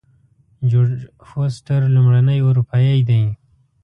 جورج فورسټر لومړنی اروپایی دی.